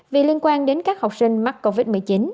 vì liên quan đến các học sinh mắc covid một mươi chín